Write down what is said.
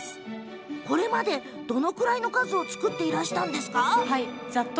これまで、どのくらいの数を作ってきたんですか？